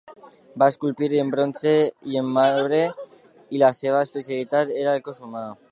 Va esculpir en bronze i en marbre, i la seva especialitat era el cos humà.